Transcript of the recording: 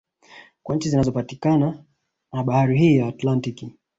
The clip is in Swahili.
Kwa nchi zinazopitiwa na Bahari hii ya Atlantiki